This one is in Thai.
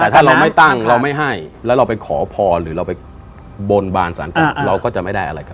สม่ำเสมอ